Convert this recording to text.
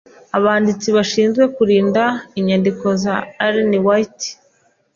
abanditsi bashinzwe kurinda inyandiko za Ellen White